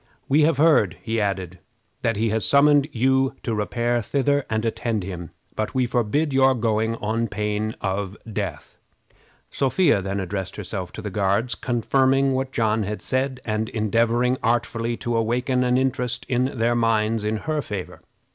"We have heard," he added, "that he has summoned you to repair thither and attend him, but we forbid your going on pain of death." Sophia then herself addressed the Guards, confirming what John had said, and endeavoring artfully to awaken an interest in their minds in her favor.